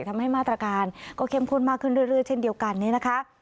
ทำให้มาตรการก็เข้มข้นมากขึ้นเรื่อยเช่นเดียวกันนี้นะคะ